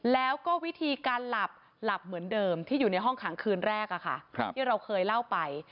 แล้วก็วิธีการหลับหลับเหมือนเดิมที่อยู่ในห้องขังคืนแรกที่เราเคยเล่าไป